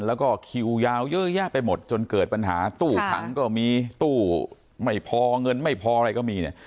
แล้วก็คิวยาวเยอะแยะไปหมดจนเกิดปัญหาตู้ขังก็มีตู้ไม่พอเงินไม่พออะไรก็มีเนี่ย